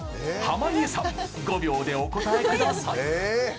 濱家さん５秒でお答えください！